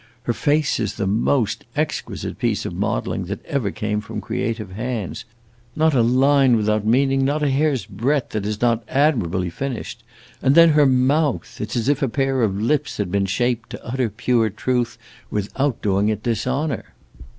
Her face is the most exquisite piece of modeling that ever came from creative hands. Not a line without meaning, not a hair's breadth that is not admirably finished. And then her mouth! It 's as if a pair of lips had been shaped to utter pure truth without doing it dishonor!"